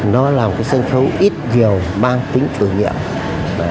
nó là một sân khấu ít nhiều mang tính thử nghiệm